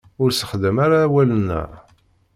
Ur sexdam ara awalen-a.